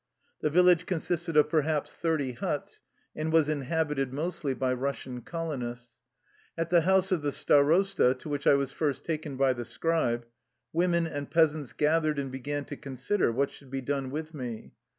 The village consisted of per haps thirty huts, and was inhabited mostly by Kussian colonists. At the house of the std rosta/ to which I was first taken by the scribe, women and peasants gathered and began to con sider what should be done with me.